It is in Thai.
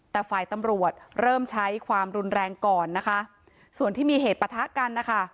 แต่ฝ่ายตำรวจเริ่มใช้ความรุนแรงก่อนนะคะส่วนที่มีเหตุประทะกันนะคะ